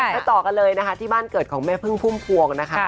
ไปต่อกันเลยนะคะที่บ้านเกิดของแม่พึ่งพุ่มพวงนะคะ